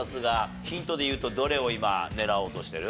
ヒントでいうとどれを今狙おうとしてる？